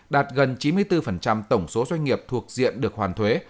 đạt gần chín mươi bốn tổng số doanh nghiệp thuộc diện được hoàn thuế